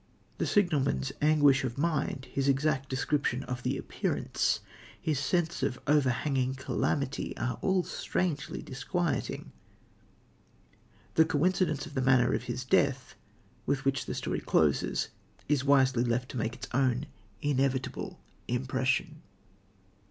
The signalman's anguish of mind, his exact description of the Appearance, his sense of overhanging calamity, are all strangely disquieting. The coincidence of the manner of his death, with which the story closes, is wisely left to make its own inevitable impression.